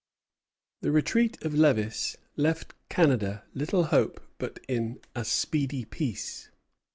The retreat of Lévis left Canada little hope but in a speedy peace.